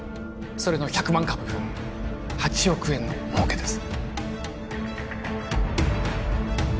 それの１００万株分８億円の儲けです